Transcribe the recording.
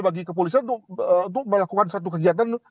bagi kepolisian untuk melakukan satu kegiatan